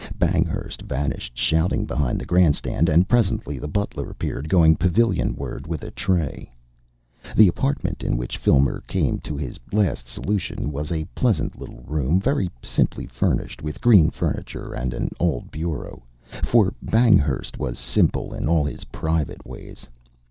Banghurst vanished shouting behind the grand stand, and presently the butler appeared going pavilionward with a tray. The apartment in which Filmer came to his last solution was a pleasant little room very simply furnished with green furniture and an old bureau for Banghurst was simple in all his private ways.